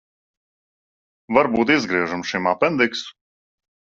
Varbūt izgriežam šim apendiksu?